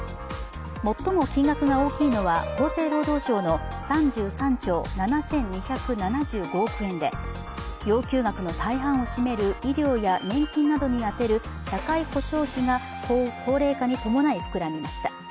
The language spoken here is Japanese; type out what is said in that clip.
最も金額が大きいのは厚生労働省の３３兆７２７５億円で要求額の大半を占める医療や年金などに充てる社会保障費が高齢化に伴い膨らみました。